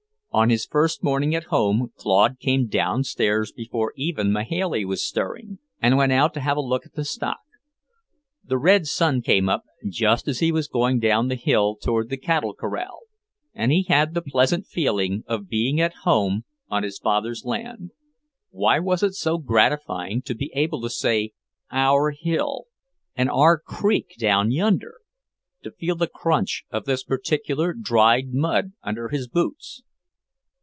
On his first morning at home Claude came downstairs before even Mahailey was stirring, and went out to have a look at the stock. The red sun came up just as he was going down the hill toward the cattle corral, and he had the pleasant feeling of being at home, on his father's land. Why was it so gratifying to be able to say "our hill," and "our creek down yonder"? to feel the crunch of this particular dried mud under his boots?